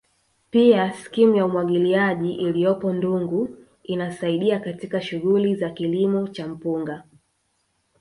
Pia skimu ya umwagiliaji iliyopo Ndungu inasaidia katika shughuli za kilimo cha mpunga